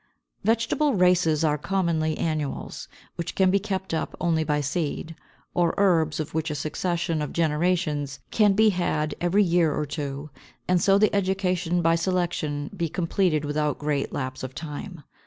Vegetable races are commonly annuals, which can be kept up only by seed, or herbs of which a succession of generations can be had every year or two, and so the education by selection be completed without great lapse of time.